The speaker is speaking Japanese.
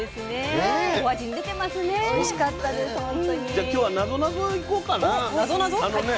じゃあ今日はなぞなぞいこうかな。